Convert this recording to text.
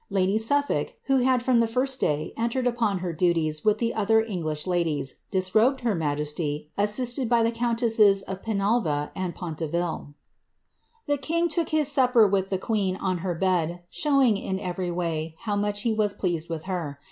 Lady Suflblk, who had from the first day entered upon her dutiea with the other English ladies, disrobed her majesty, assisted by the countesses of Penal^'a and Pontevel. The king took his supper with the queen on her bed, showing, in erery way, how much he was pleased with her.